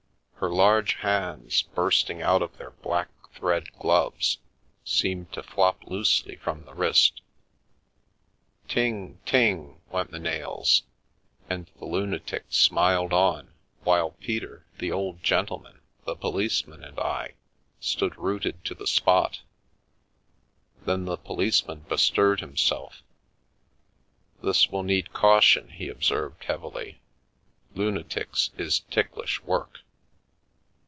Her large hands, bursting out of their Mack thread gloves, seemed to flop loosely from the wrist Ting, ting, went the nails, and the lunatic smiled on, while Peter, the old gentleman, the policeman and I, stood rooted to the spot Then the policeman bestirred himself. " This will need caution," he observed, heavily. " Lu natics is ticklish work."